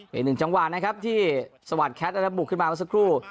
เป็น๑จังหวานนะครับที่สวัสดิ์แคสต์ได้รับบุกขึ้นมาเมื่อสักครู่